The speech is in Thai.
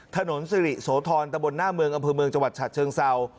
ถนนสิริโสธรตะบนหน้าเมืองอำเภอเมืองจังหวัดฉะเชิงเศร้า